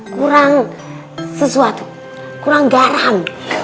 kurang sesuatu kurang garam